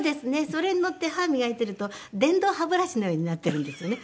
それに乗って歯磨いてると電動歯ブラシのようになってるんですよね。